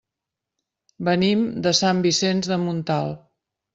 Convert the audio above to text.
Venim de Sant Vicenç de Montalt.